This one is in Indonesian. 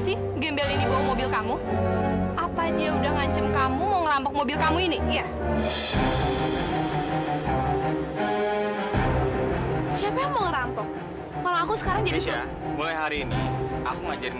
sampai jumpa di video selanjutnya